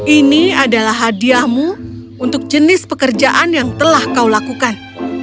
ini adalah hadiahmu untuk jenis pekerjaan yang telah kau lakukan